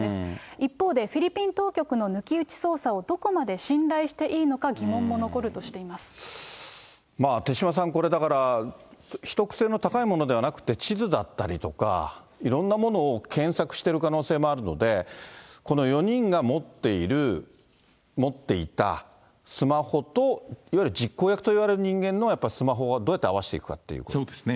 一方でフィリピン当局の抜き打ち捜査をどこまで信頼していいのか手嶋さん、これだから、秘匿性の高いものではなくて、地図だったりとか、いろんなものを検索してる可能性もあるので、この４人が持っている、持っていたスマホと、いわゆる実行役といわれる人間のやっぱりスマホをどうやって合わそうですね。